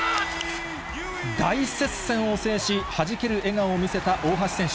大接戦を制し、はじける笑顔を見せた大橋選手。